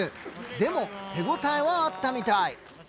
でも手応えはあったみたい。